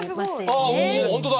あ本当だ。